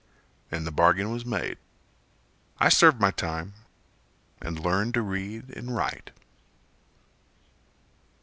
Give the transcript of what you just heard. And the bargain was made. I served my time And learned to read and write.